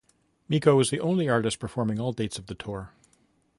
Meiko was the only artist performing all dates of the tour.